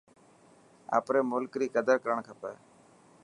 آپري ملڪ ري قدر ڪرڻ کپي.